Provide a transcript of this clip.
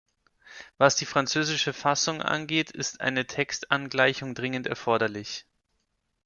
Was die französische Fassung angeht, ist eine Textangleichung dringend erforderlich.